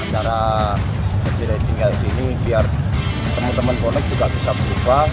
cara saya tidak tinggal di sini biar teman teman bonek juga bisa berubah